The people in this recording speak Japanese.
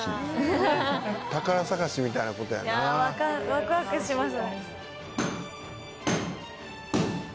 ワクワクします。